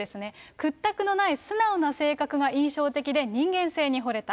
屈託のない素直な性格が印象的で、人間性に惚れた。